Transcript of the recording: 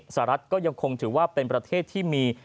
สหรัฐก็ยังคงถือว่าเป็นประเทศที่มี